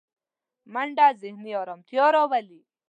منډه ذهني ارامتیا راولي